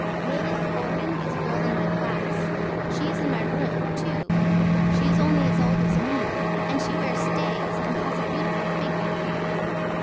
LILITH GORDON IS A GIRL IN MY CLASS SHE IS IN MY ROOM TO SHE IS ONLY AS OLD AS ME AND SHE WEARS STAYS AND HAS A BEAUTIFUL FIGGURE.